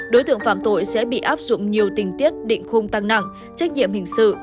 đối tượng phạm tội sẽ bị áp dụng nhiều tình tiết định khung tăng nặng trách nhiệm hình sự